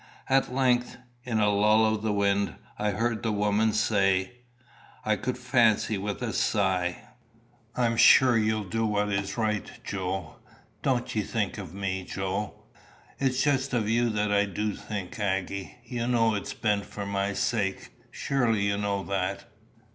At length, in a lull of the wind, I heard the woman say I could fancy with a sigh "I'm sure you'll du what is right, Joe. Don't 'e think o' me, Joe." "It's just of you that I du think, Aggy. You know it ben't for my sake. Surely you know that?"